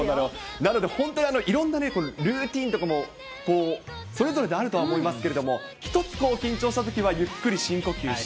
なので、本当にいろんなルーティンとかも、それぞれであるとは思いますけれども、１つ緊張したときは、ゆっくり深呼吸して。